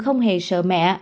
không hề sợ mẹ